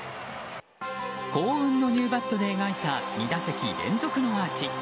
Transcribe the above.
幸運のニューバットで描いた２打席連続のアーチ。